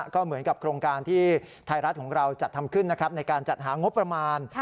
ก็เหมือนกับโครงการที่ไทยรัฐของเราจัดทำขึ้นนะครับในการจัดหางบประมาณ